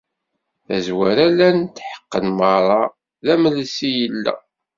Tazwara llan tḥeqqen merra d amelsi i yella.